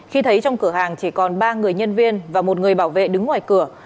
khi thấy trong cửa hàng chỉ còn ba người nhân viên và một người bảo vệ đứng ngoài cửa